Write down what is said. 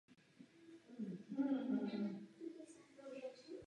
S diagnózou všichni souhlasí, ale o léčbě se dalekosáhle diskutuje.